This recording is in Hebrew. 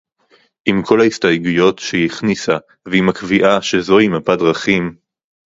עם כל ההסתייגויות שהיא הכניסה ועם הקביעה שזוהי מפת דרכים